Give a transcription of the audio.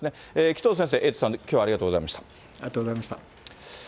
紀藤先生、エイトさん、きょうはありがとうございました。